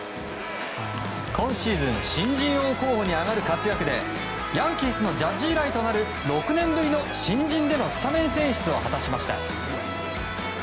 今シーズン新人王候補に挙がる活躍でヤンキースのジャッジ以来となる６年ぶりの新人でのスタメン選出を果たしました。